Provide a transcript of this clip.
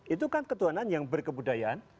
itu kan ketuhanan yang berkebudayaan